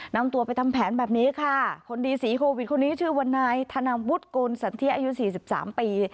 นำตัวไปทำแผนแบบนี้ค่ะคนดีสีโควิดคนนี้ชื่อว่านายธนาวุฒิโกนสันเทียอายุสี่สิบสามปี